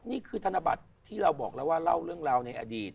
ธนบัตรที่เราบอกแล้วว่าเล่าเรื่องราวในอดีต